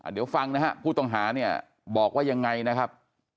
เดี๋ยวฟังนะฮะผู้ต้องหาเนี่ยบอกว่ายังไงนะครับ